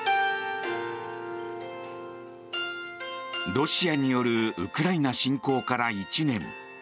ロシアによるウクライナ侵攻から１年。